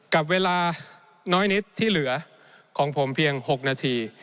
กับเวลาน้อยนิดที่เหลือของผมเพียง๖นาที